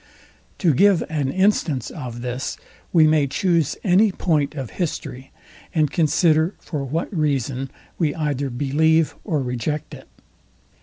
To give an instance of this, we may chuse any point of history, and consider for what reason we either believe or reject it.